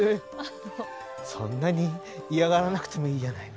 そんなに嫌がらなくてもいいじゃないの。